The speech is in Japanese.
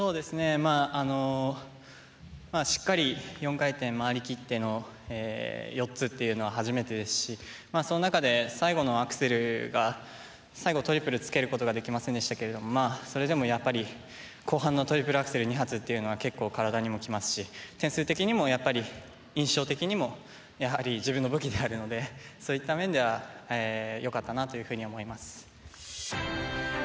まああのまあしっかり４回転回り切っての４つっていうのは初めてですしまあその中で最後のアクセルが最後トリプルつけることができませんでしたけれどもまあそれでもやっぱり後半のトリプルアクセル２発っていうのは結構体にも来ますし点数的にもやっぱり印象的にもやはり自分の武器であるのでそういった面ではよかったなというふうに思います。